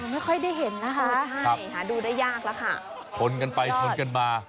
ไม่ค่อยได้เห็นนะคะอุทิคัดูได้ยากและค่ะเขินกันไปชนกันมา